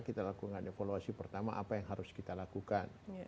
kita lakukan evaluasi pertama apa yang harus kita lakukan